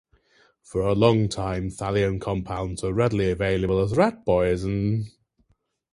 For a long time thallium compounds were readily available as rat poison.